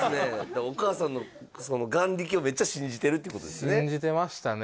お母さんのその眼力をめっちゃ信じてるってことですね信じてましたね